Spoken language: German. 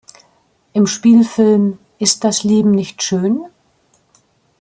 Im Spielfilm "Ist das Leben nicht schön?